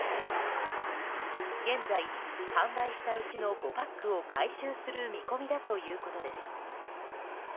現在、販売したうちの５パックを回収する見込みだということです。